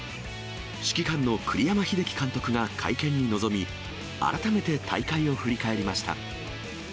指揮官の栗山英樹監督が会見に臨み、改めて大会を振り返りました。